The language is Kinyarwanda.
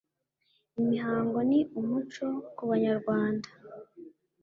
Imihango ni umuco kubanyarwanda